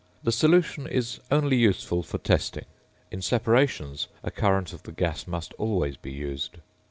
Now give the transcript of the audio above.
The solution is only useful for testing. In separations, a current of the gas must always be used.